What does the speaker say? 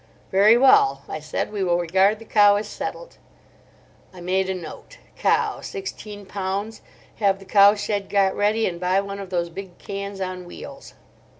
"Very well," I said; "we will regard the cow as settled." I made a note: "Cow, sixteen pounds. Have the cowshed got ready, and buy one of those big cans on wheels."